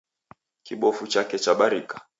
Kibofu chake chabarika